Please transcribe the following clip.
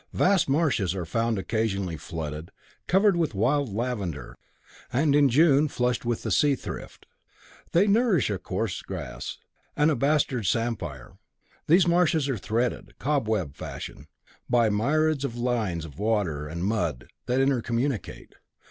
Vast marshes are found occasionally flooded, covered with the wild lavender, and in June flushed with the seathrift. They nourish a coarse grass, and a bastard samphire. These marshes are threaded, cobweb fashion, by myriads of lines of water and mud that intercommunicate.